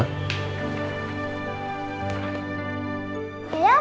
nah salim dulu